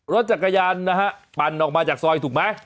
รถจักรยานนะฮะปั่นออกมาจากซอยถูกไหม